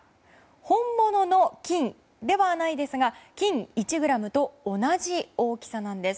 本物の金ではないですが金１ｇと同じ大きさなんです。